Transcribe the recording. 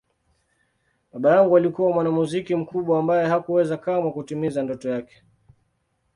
Baba yangu alikuwa mwanamuziki mkubwa ambaye hakuweza kamwe kutimiza ndoto yake.